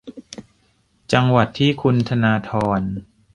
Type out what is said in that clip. จังหวัดที่คุณธนาธร